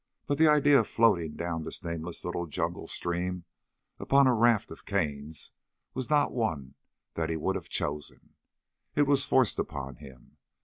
But the idea of floating down this nameless little jungle stream upon a raft of canes was not one that he would have chosen. It was forced upon him.